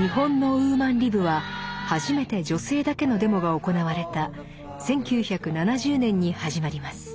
日本のウーマンリブは初めて女性だけのデモが行われた１９７０年に始まります。